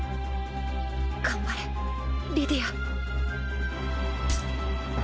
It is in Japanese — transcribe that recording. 頑張れリディア。